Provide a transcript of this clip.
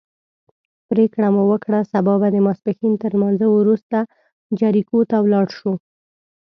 پرېکړه مو وکړه سبا به د ماسپښین تر لمانځه وروسته جریکو ته ولاړ شو.